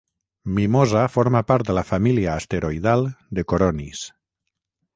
Mimosa forma part de la família asteroidal de Coronis.